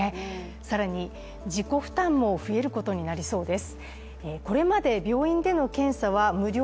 更に、自己負担も増えることになりそうです。